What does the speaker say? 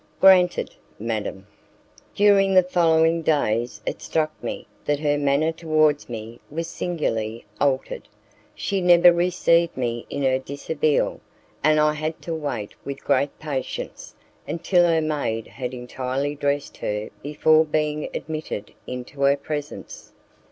"Granted, madam." During the following days it struck me that her manner towards me was singularly altered. She never received me in her dishabille, and I had to wait with great patience until her maid had entirely dressed her before being admitted into her presence.